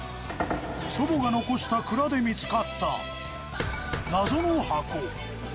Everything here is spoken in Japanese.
祖母が残した蔵で見つかった謎の箱。